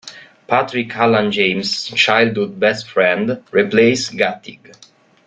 Patrick Hallahan, James' childhood best friend, replaced Guetig.